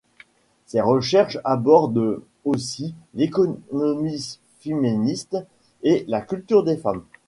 Ses recherches abordent aussi l'économie féministe et la culture des femmes.